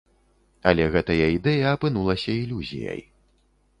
Але гэтая ідэя апынулася ілюзіяй.